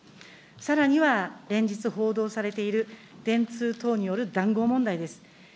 さらには連日報道されている、電通等による談合問題です。